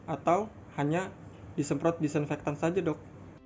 atau hanya disemprot disinfektan saja dok